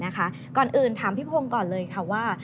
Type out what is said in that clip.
ก่อนอื่นถามพี่พงศ์ก่อนเลยค่ะว่า